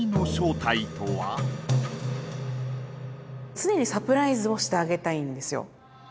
常にサプライズをしてあげたいんですよ。